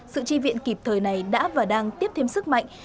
sự tri viện kịp thời này đã và đang tiếp thêm sức mạnh